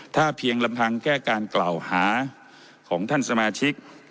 ถ้าเพียงลำพังแก้การกล่าวหาของท่านสมาชิก